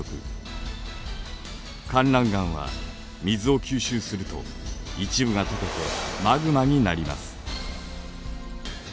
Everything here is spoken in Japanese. かんらん岩は水を吸収すると一部がとけてマグマになります。